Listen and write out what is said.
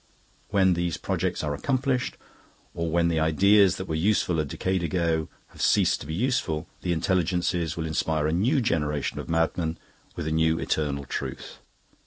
When these projects are accomplished, or when the ideas that were useful a decade ago have ceased to be useful, the Intelligences will inspire a new generation of madmen with a new eternal truth.